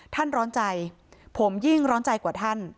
ท่านร้อนใจผมยิ่งร้อนใจกว่าท่าน